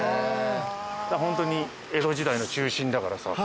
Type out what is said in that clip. ホントに江戸時代の中心だからさ。